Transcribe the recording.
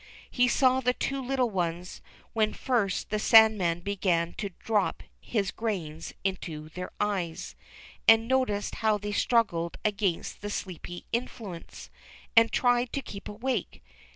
He saw the two little ones when first the sand man began to drop his grains into their eyes, and noticed how they struggled against the sleepy influence, and tried to keep awake.